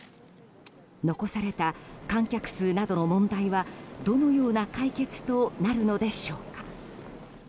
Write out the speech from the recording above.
残された観客数などの問題はどのような解決となるのでしょうか。